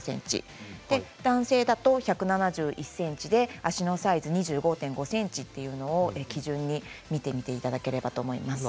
男性だと１７１ｃｍで足のサイズ２５．５ｃｍというのを基準に見ていただければと思います。